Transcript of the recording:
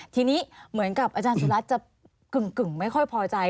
ทีนี้เหมือนกับอาจารย์สุรัตน์จะกึ่งไม่ค่อยพอใจ